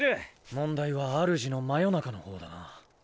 問題はあるじの魔夜中の方だな。